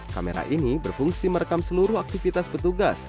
kamera ini berfungsi merekam seluruh aktivitas petugas